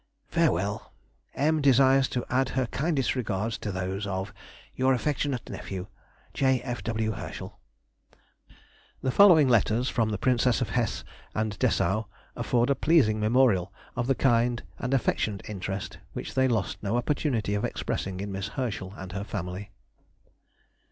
Farewell; M. desires to add her kindest regards to those of Your affectionate nephew, J. F. W. HERSCHEL. [Sidenote: 1834. The Landgravine of Hesse.] The following letters from the Princesses of Hesse and Dessau afford a pleasing memorial of the kind and affectionate interest which they lost no opportunity of expressing in Miss Herschel and her family.